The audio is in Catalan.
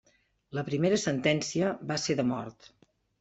La primera sentència va ser de mort.